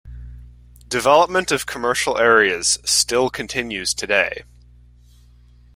Development of commercial areas still continues today.